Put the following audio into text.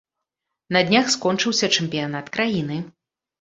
На днях скончыўся чэмпіянат краіны.